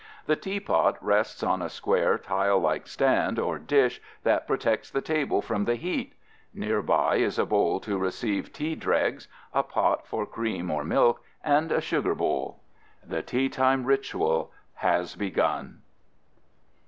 The teapot rests on a square tile like stand or dish that protects the table from the heat. Nearby is a bowl to receive tea dregs, a pot for cream or milk, and a sugar bowl. The teatime ritual has begun.